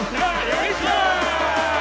よいしょ！